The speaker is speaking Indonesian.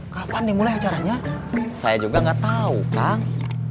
kapan dimulai acaranya saya juga nggak tahu kang